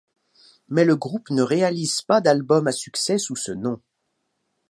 Mais le groupe ne réalise pas d'albums à succès sous ce nom.